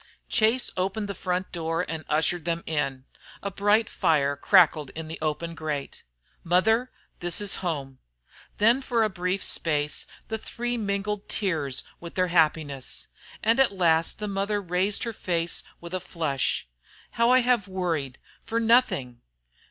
Chase opened the front door and ushered them in. A bright fire crackled in the open grate. "Mother, this is home." Then for a brief space the three mingled tears with their happiness. And at last the mother raised her face with a flush. "How I have worried for nothing!"